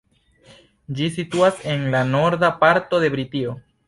Ĝi situas en la norda parto de Britio.